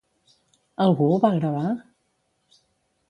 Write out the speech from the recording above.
Algú ho va gravar?